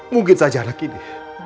mungkin saja anak ini